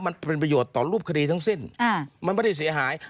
มันเป็นประโยชน์ต่อรูปคดีทั้งสิ้นมันไม่ได้เสียหาย